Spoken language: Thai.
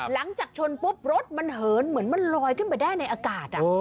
หลังจากชนปุ๊บรถมันเหินเหมือนมันลอยขึ้นไปได้ในอากาศ